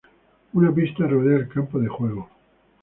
Una pista rodea el campo de juego.